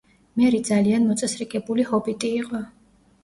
მერი ძალიან მოწესრიგებული ჰობიტი იყო.